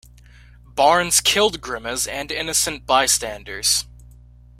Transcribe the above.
Barnes killed Grimes and innocent bystanders.